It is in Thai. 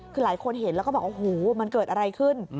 คือหลายคนเห็นแล้วก็บอกโอ้โหมันเกิดอะไรขึ้น